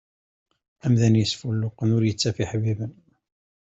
Amdan isfulluqen, ur ittaf iḥbiben.